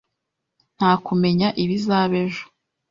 Nta kumenya ibizaba ejo.